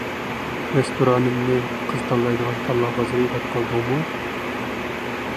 رېستورانىمنى قىز تاللايدىغان تاللا بازىرى دەپ قالدىڭمۇ؟